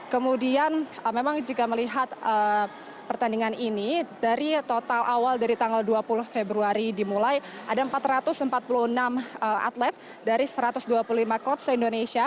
kemudian memang jika melihat pertandingan ini dari total awal dari tanggal dua puluh februari dimulai ada empat ratus empat puluh enam atlet dari satu ratus dua puluh lima klub se indonesia